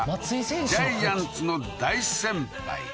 ジャイアンツの大先輩